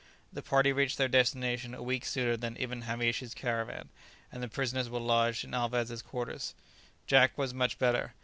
The party reached their destination a week sooner than Ibn Hamish's caravan, and the prisoners were lodged in Alvez' quarters. Jack was much better.